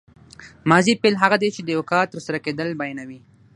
ماضي فعل هغه دی چې د یو کار تر سره کېدل بیانوي.